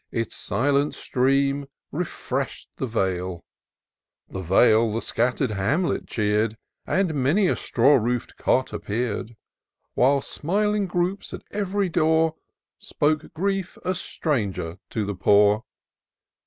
Its silent stream refresh'd the vale : The vale the scattered hamlet cheer'd. And many a straw roof 'd cot appear'd ; While smiling groups at ev'ry door Spoke grief a stranger to the poor.